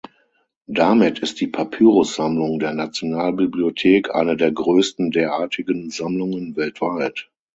Damit ist die Papyrussammlung der Nationalbibliothek eine der größten derartigen Sammlungen weltweit.